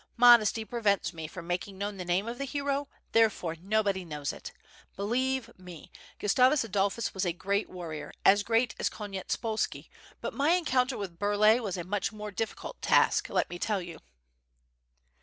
Modesty prevents me from making known the name of the hero, therefore nobody knows it. Believe me, (rustavus Adolphus was a great warrior, as great as Konyetspolski, but my encounter with Burlay was a much more difficult task, let me tell you."